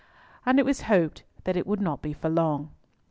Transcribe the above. And it was hoped that it would not be for long.